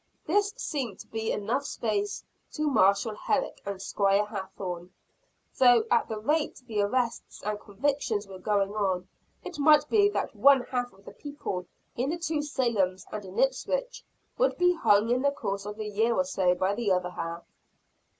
This seemed to be enough space to Marshall Herrick and Squire Hathorne; though at the rate the arrests and convictions were going on, it might be that one half of the people in the two Salems and in Ipswich, would be hung in the course of a year or so by the other half.